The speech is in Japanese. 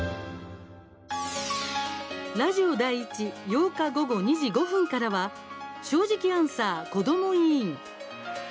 ラジオ第１８日、午後２時５分からは「正直アンサーコドモ委員」。